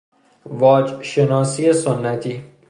واجشناسی سنتی